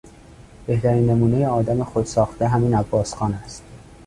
بهترین نمونهی آدم خودساخته همین عباسخان است.